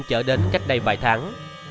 chở đến cách đây vài tháng